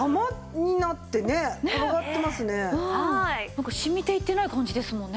なんか染みていってない感じですもんね。